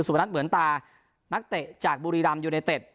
นัทเหมือนตานักเตะจากบุรีรำยูไนเต็ด